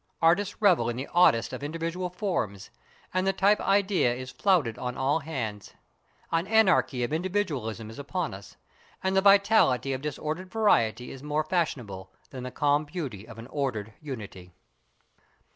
Artists revel in the oddest of individual forms, and the type idea is flouted on all hands. An anarchy of individualism is upon us, and the vitality of disordered variety is more fashionable than the calm beauty of an ordered unity.